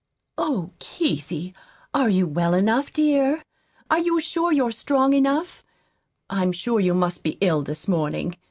"Oh, Keithie, are you well enough, dear? Are you sure you are strong enough? I'm sure you must be ill this morning.